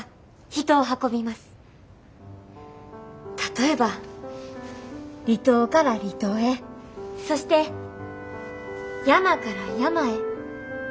例えば離島から離島へそして山から山へ。